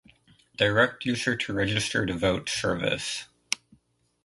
Direct user to register to vote service